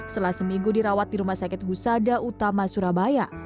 setelah seminggu dirawat di rumah sakit husada utama surabaya